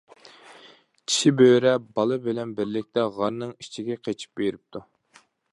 چىشى بۆرە بالا بىلەن بىرلىكتە غارنىڭ ئىچىگە قېچىپ بېرىپتۇ.